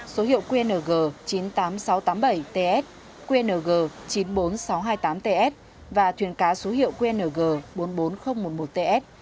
số hiệu qng chín mươi tám nghìn sáu trăm tám mươi bảy ts qng chín mươi bốn nghìn sáu trăm hai mươi tám ts và thuyền cá số hiệu qng bốn mươi bốn nghìn một mươi một ts